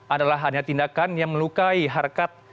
adalah hanya tindakan yang melukai harkat